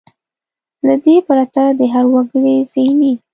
له دې پرته د هر وګړي زهني .